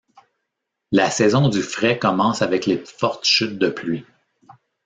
La saison du frai commence avec les fortes chutes de pluie.